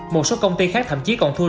một số công ty khác thậm chí còn thua lỗ